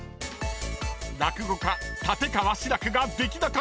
［落語家立川志らくができなかった漢字］